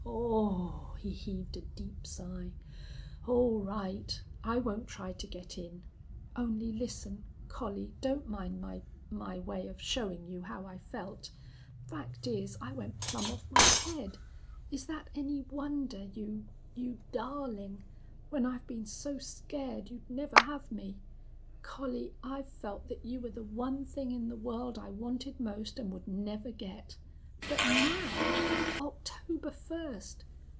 "Aw!" He heaved a deep sigh. "All right. I won't try to get in. Only listen.... Collie, don't mind my my way of showing you how I felt. Fact is, I went plumb off my head. Is that any wonder, you you darling when I've been so scared you'd never have me? Collie, I've felt that you were the one thing in the world I wanted most and would never get. But now.... October first!